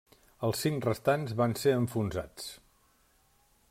Els cinc restants van ser enfonsats.